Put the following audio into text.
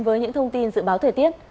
với những thông tin dự báo thời tiết